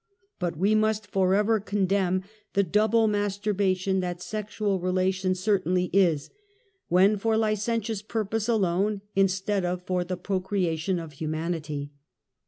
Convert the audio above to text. But we must forever condemn the double masturbation that sexual relation certainly is, when for licentious purpose alone, instead of for the procreation of hu manity.